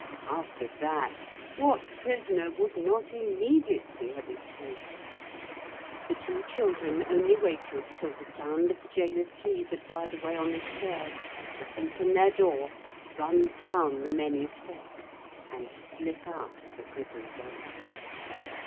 After that, what prisoner would not immediately have escaped? The two children only waited till the sound of the gaoler's keys had died away on the stairs, to open their door, run down the many steps and slip out of the prison gate.